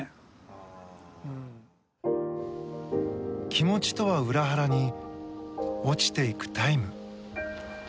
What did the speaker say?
気持ちとは裏腹に落ちていくタイム。